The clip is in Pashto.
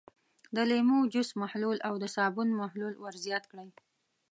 د لیمو جوس محلول او د صابون محلول ور زیات کړئ.